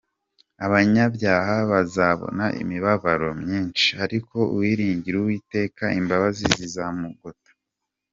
Abanyabyaha bazabona imibabaro myinshi, Ariko uwiringira Uwiteka imbabazi zizamugota.